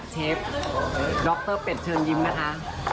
เชฟด็อกเตอร์เป็ดเชิญยิ้มค่ะค่ะ